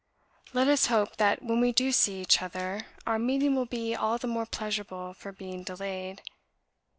Let us hope that when we do see each other our meeting will be all the more pleasurable for being delayed.